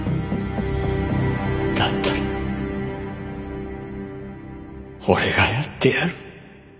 だったら俺がやってやる。